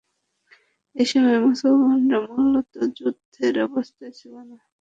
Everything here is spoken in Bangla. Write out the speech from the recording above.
এ সময় মুসলমানরা মূলত যুদ্ধের অবস্থায় ছিল না।